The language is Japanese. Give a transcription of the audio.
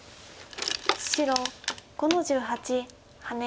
白５の十八ハネ。